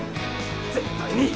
絶対に！